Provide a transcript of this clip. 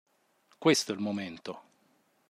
Questo è il momento.